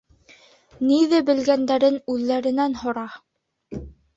— Ниҙе белгәндәрен үҙҙәренән һора.